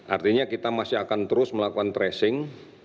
artinya kita masih akan terus melakukan tracing